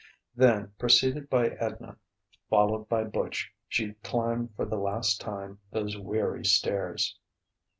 Then, preceded by Edna, followed by Butch, she climbed for the last time those weary stairs.